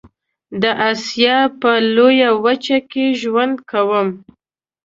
د آسيا په لويه وچه کې ژوند کوم.